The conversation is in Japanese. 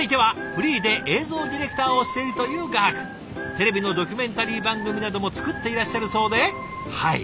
テレビのドキュメンタリー番組なども作っていらっしゃるそうではい